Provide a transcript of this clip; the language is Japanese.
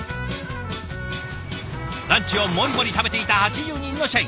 ランチをモリモリ食べていた８０人の社員。